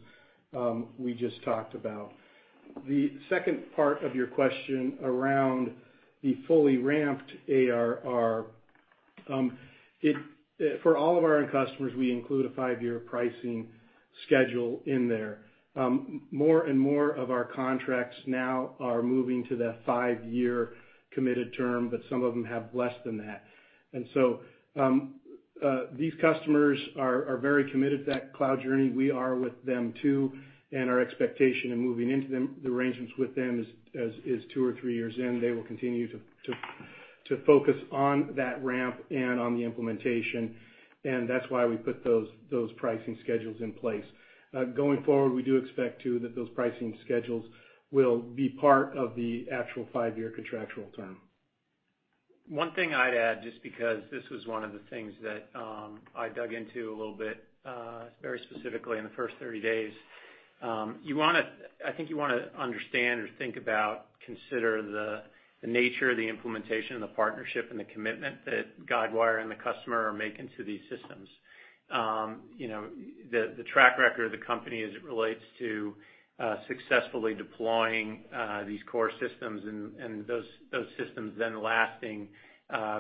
we just talked about. The second part of your question around the fully ramped ARR. For all of our end customers, we include a five-year pricing schedule in there. More and more of our contracts now are moving to that five-year committed term, but some of them have less than that. These customers are very committed to that cloud journey. We are with them, too, and our expectation in moving into the arrangements with them is two or three years in. They will continue to focus on that ramp and on the implementation. That's why we put those pricing schedules in place. Going forward, we do expect, too, that those pricing schedules will be part of the actual five-year contractual term. One thing I'd add, just because this was one of the things that I dug into a little bit very specifically in the first 30 days. I think you want to understand or think about, consider the nature of the implementation, the partnership, and the commitment that Guidewire and the customer are making to these systems. The track record of the company as it relates to successfully deploying these core systems and those systems then lasting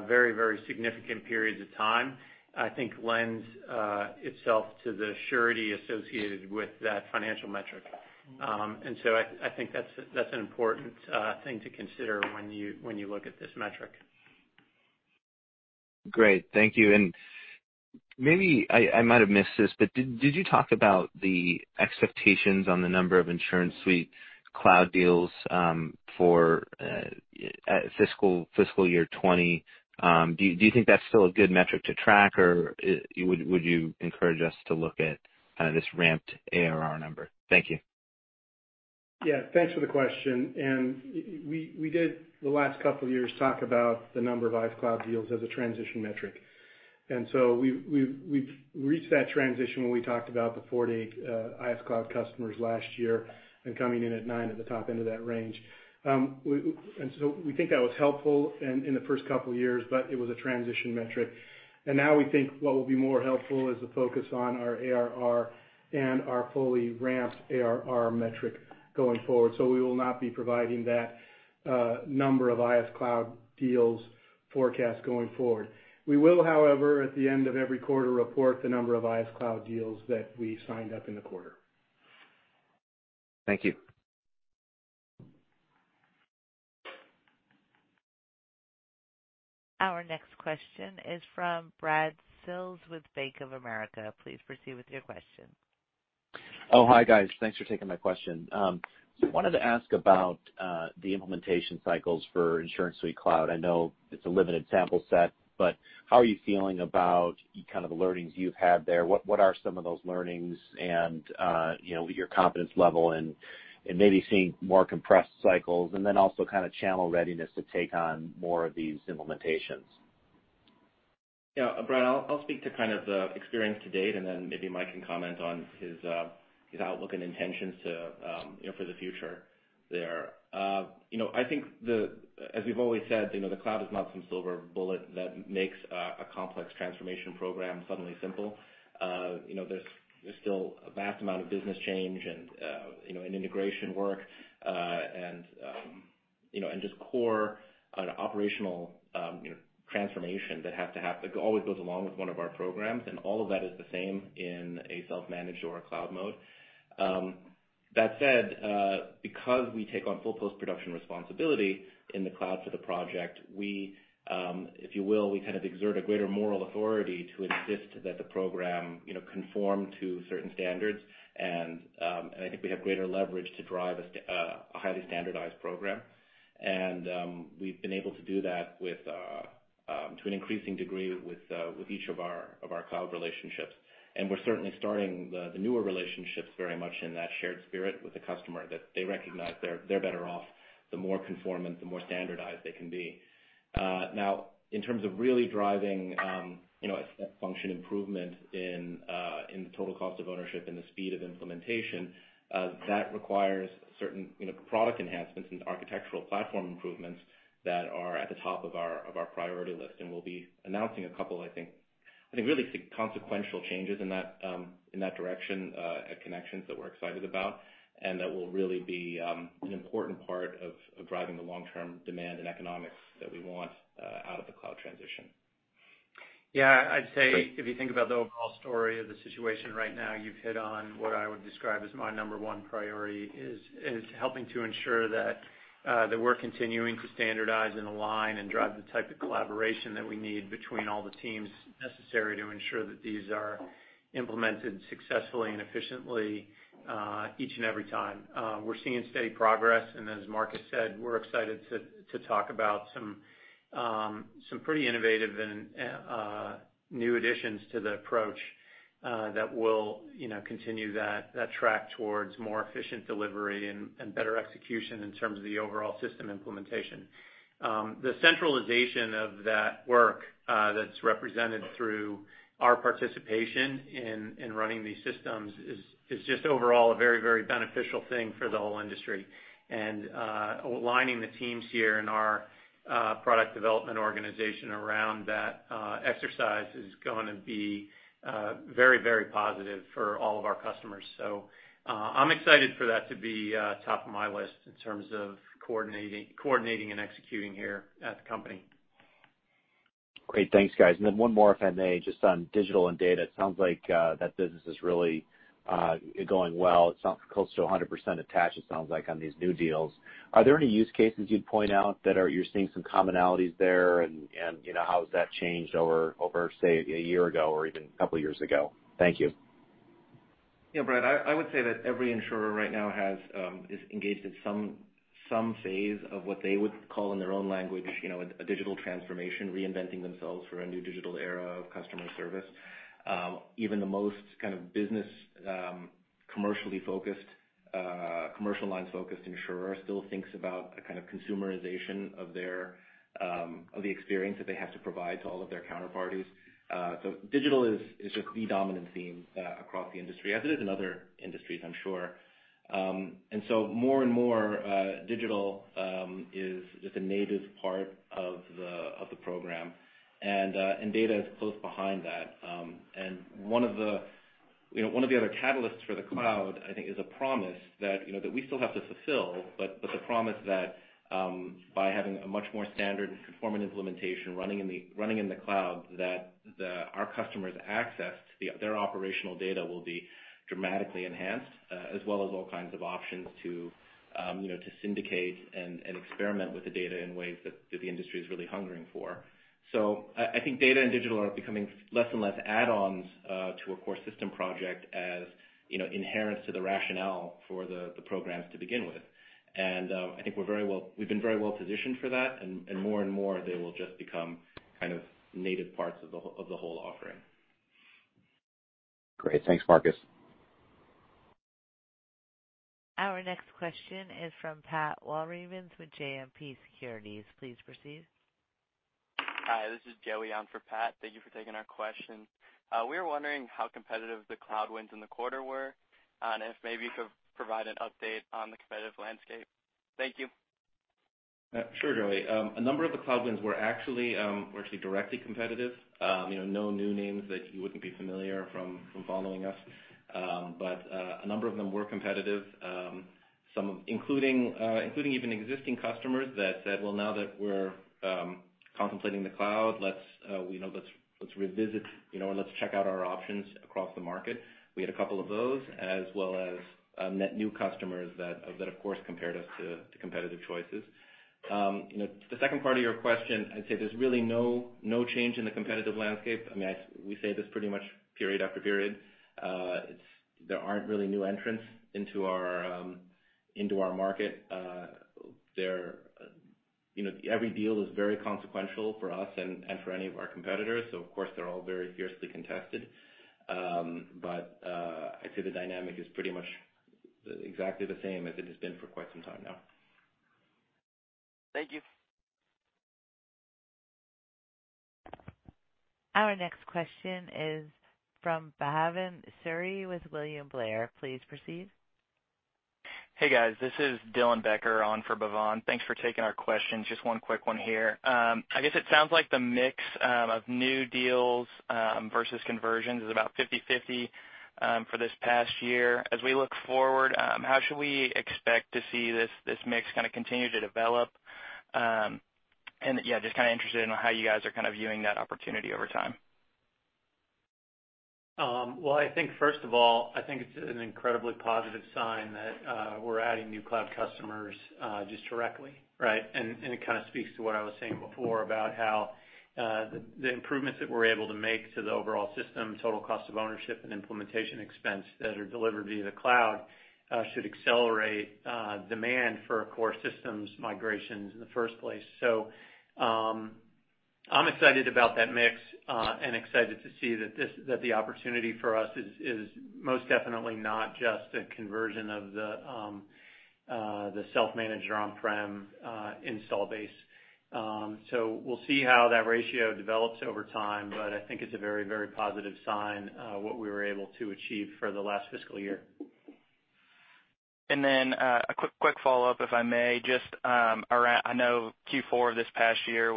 very significant periods of time, I think lends itself to the surety associated with that financial metric. I think that's an important thing to consider when you look at this metric. Great. Thank you. Maybe I might have missed this, but did you talk about the expectations on the number of InsuranceSuite Cloud deals for fiscal year 2020? Do you think that's still a good metric to track, or would you encourage us to look at this ramped ARR number? Thank you. Thanks for the question. We did the last couple of years talk about the number of InsuranceSuite Cloud deals as a transition metric. We've reached that transition when we talked about the 48 InsuranceSuite Cloud customers last year and coming in at nine at the top end of that range. We think that was helpful in the first couple of years, but it was a transition metric. We think what will be more helpful is the focus on our ARR and our fully ramped ARR metric going forward. We will not be providing that number of InsuranceSuite Cloud deals forecast going forward. We will, however, at the end of every quarter, report the number of InsuranceSuite Cloud deals that we signed up in the quarter. Thank you. Our next question is from Brad Sills with Bank of America. Please proceed with your question. Hi guys. Thanks for taking my question. Wanted to ask about the implementation cycles for InsuranceSuite Cloud. I know it's a limited sample set, how are you feeling about kind of the learnings you've had there? What are some of those learnings and your confidence level and maybe seeing more compressed cycles and then also kind of channel readiness to take on more of these implementations? Yeah. Brad, I'll speak to kind of the experience to date, and then maybe Mike can comment on his outlook and intentions for the future there. I think as we've always said, the cloud is not some silver bullet that makes a complex transformation program suddenly simple. There's still a vast amount of business change and integration work, and just core operational transformation that always goes along with one of our programs, and all of that is the same in a self-managed or a cloud mode. That said, because we take on full post-production responsibility in the cloud for the project, we, if you will, kind of exert a greater moral authority to insist that the program conform to certain standards. I think we have greater leverage to drive a highly standardized program. We've been able to do that to an increasing degree with each of our cloud relationships. We're certainly starting the newer relationships very much in that shared spirit with the customer that they recognize they're better off the more conformant, the more standardized they can be. In terms of really driving a step function improvement in the total cost of ownership and the speed of implementation, that requires certain product enhancements and architectural platform improvements that are at the top of our priority list. We'll be announcing a couple, I think, really consequential changes in that direction at Connections that we're excited about and that will really be an important part of driving the long-term demand and economics that we want out of the cloud transition. Yeah. I'd say if you think about the overall story of the situation right now, you've hit on what I would describe as my number one priority, is helping to ensure that we're continuing to standardize and align and drive the type of collaboration that we need between all the teams necessary to ensure that these are implemented successfully and efficiently each and every time. We're seeing steady progress, and as Marcus said, we're excited to talk about some pretty innovative and new additions to the approach that will continue that track towards more efficient delivery and better execution in terms of the overall system implementation. The centralization of that work that's represented through our participation in running these systems is just overall a very beneficial thing for the whole industry. Aligning the teams here in our product development organization around that exercise is going to be very positive for all of our customers. I'm excited for that to be top of my list in terms of coordinating and executing here at the company. Great. Thanks, guys. Then one more, if I may, just on digital and data. It sounds like that business is really going well. It's close to 100% attached, it sounds like on these new deals. Are there any use cases you'd point out that you're seeing some commonalities there and how has that changed over, say, a year ago or even a couple of years ago? Thank you. Yeah, Brad, I would say that every insurer right now is engaged at some phase of what they would call in their own language, a digital transformation, reinventing themselves for a new digital era of customer service. Even the most kind of business commercially focused, commercial line-focused insurer still thinks about a kind of consumerization of the experience that they have to provide to all of their counterparties. Digital is the dominant theme across the industry, as it is in other industries, I'm sure. More and more digital is just a native part of the program. Data is close behind that. One of the other catalysts for the Cloud, I think, is a promise that we still have to fulfill, but the promise that by having a much more standard and conformant implementation running in the Cloud, that our customers' access to their operational Data will be dramatically enhanced, as well as all kinds of options to syndicate and experiment with the Data in ways that the industry is really hungering for. I think Data and Digital are becoming less and less add-ons to a core system project as inherent to the rationale for the programs to begin with. I think we've been very well-positioned for that, and more and more, they will just become kind of native parts of the whole offering. Great. Thanks, Marcus. Our next question is from Pat Walravens with JMP Securities. Please proceed. Hi, this is Joey on for Pat. Thank you for taking our question. We were wondering how competitive the cloud wins in the quarter were, and if maybe you could provide an update on the competitive landscape. Thank you. Sure, Joey. A number of the Guidewire Cloud wins were actually directly competitive. No new names that you wouldn't be familiar from following us. A number of them were competitive, including even existing customers that said, "Well, now that we're contemplating the Guidewire Cloud, let's revisit and let's check out our options across the market." We had a couple of those, as well as net new customers that, of course, compared us to competitive choices. The second part of your question, I'd say there's really no change in the competitive landscape. We say this pretty much period after period. There aren't really new entrants into our market. Every deal is very consequential for us and for any of our competitors. Of course, they're all very fiercely contested. I'd say the dynamic is pretty much exactly the same as it has been for quite some time now. Thank you. Our next question is from Bhavan Suri with William Blair. Please proceed. Hey, guys. This is Dylan Becker on for Bhavan. Thanks for taking our questions. Just one quick one here. I guess it sounds like the mix of new deals versus conversions is about 50/50 for this past year. As we look forward, how should we expect to see this mix kind of continue to develop? Yeah, just kind of interested in how you guys are kind of viewing that opportunity over time. Well, I think first of all, I think it's an incredibly positive sign that we're adding new Cloud customers just directly, right? It kind of speaks to what I was saying before about how the improvements that we're able to make to the overall system, total cost of ownership, and implementation expense that are delivered via the Cloud, should accelerate demand for core systems migrations in the first place. I'm excited about that mix, and excited to see that the opportunity for us is most definitely not just a conversion of the self-managed or on-prem install base. We'll see how that ratio develops over time, but I think it's a very, very positive sign what we were able to achieve for the last fiscal year. A quick follow-up, if I may. I know Q4 of this past year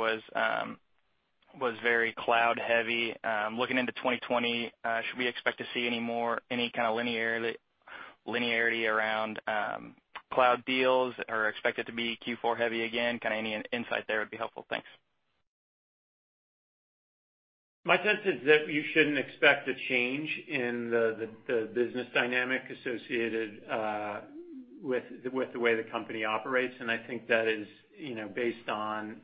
was very cloud heavy. Looking into 2020, should we expect to see any kind of linearity around cloud deals, or expect it to be Q4 heavy again? Kind of any insight there would be helpful. Thanks. My sense is that you shouldn't expect a change in the business dynamic associated with the way the company operates, and I think that is based on,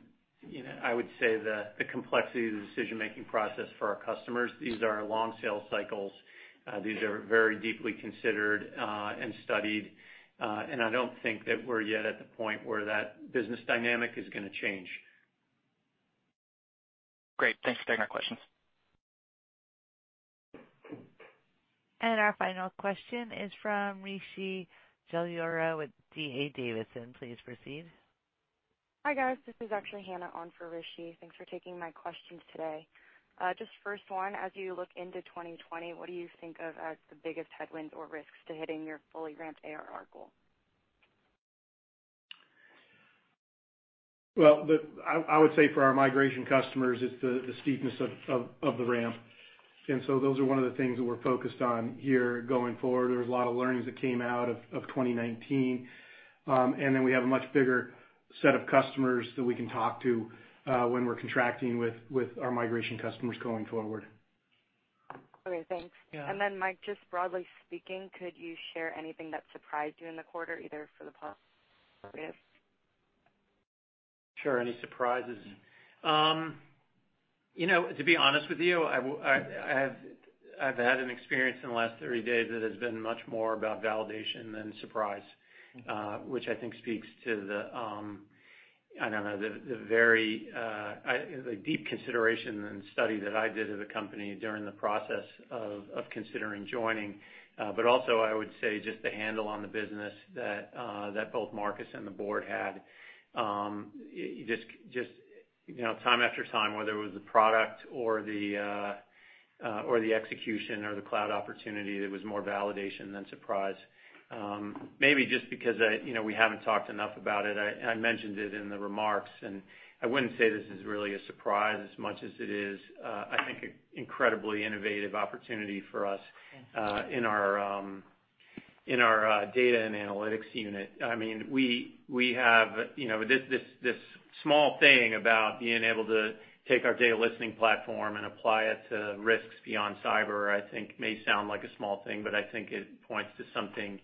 I would say, the complexity of the decision-making process for our customers. These are long sales cycles. These are very deeply considered and studied. I don't think that we're yet at the point where that business dynamic is going to change. Great. Thanks for taking our questions. Our final question is from Rishi Jaluria with D.A. Davidson. Please proceed. Hi, guys. This is actually Hannah on for Rishi. Thanks for taking my questions today. First one, as you look into 2020, what do you think of as the biggest headwinds or risks to hitting your fully ramped ARR goal? Well, I would say for our migration customers, it's the steepness of the ramp. Those are one of the things that we're focused on here going forward. There's a lot of learnings that came out of 2019. We have a much bigger set of customers that we can talk to when we're contracting with our migration customers going forward. Okay, thanks. Yeah. Mike, just broadly speaking, could you share anything that surprised you in the quarter, either for the positives or negatives? Sure, any surprises. To be honest with you, I've had an experience in the last 30 days that has been much more about validation than surprise, which I think speaks to the, I don't know, the very deep consideration and study that I did of the company during the process of considering joining. Also, I would say just the handle on the business that both Marcus and the board had. Just time after time, whether it was the product or the execution or the cloud opportunity, it was more validation than surprise. Maybe just because we haven't talked enough about it, I mentioned it in the remarks, and I wouldn't say this is really a surprise as much as it is, I think, an incredibly innovative opportunity for us in our data and analytics unit. This small thing about being able to take our data listening platform and apply it to risks beyond cyber, I think, may sound like a small thing, but I think it points to something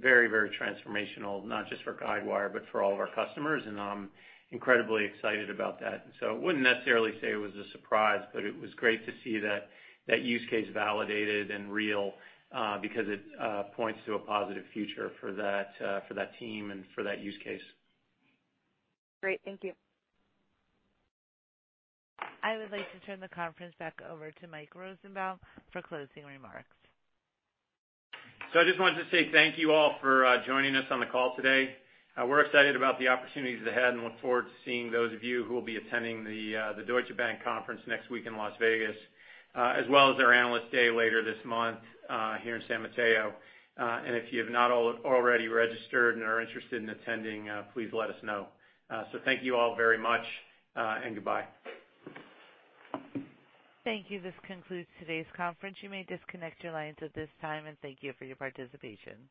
very transformational, not just for Guidewire, but for all of our customers, and I'm incredibly excited about that. I wouldn't necessarily say it was a surprise, but it was great to see that use case validated and real, because it points to a positive future for that team and for that use case. Great. Thank you. I would like to turn the conference back over to Mike Rosenbaum for closing remarks. I just wanted to say thank you all for joining us on the call today. We're excited about the opportunities ahead and look forward to seeing those of you who will be attending the Deutsche Bank conference next week in Las Vegas, as well as our Analyst Day later this month here in San Mateo. If you have not already registered and are interested in attending, please let us know. Thank you all very much and goodbye. Thank you. This concludes today's conference. You may disconnect your lines at this time, and thank you for your participation.